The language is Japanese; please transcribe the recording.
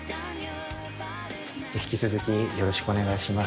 じゃあ引き続きよろしくお願いします。